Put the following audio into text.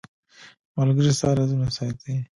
• ملګری ستا رازونه ساتي.